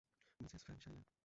Mrs Van শাইলার!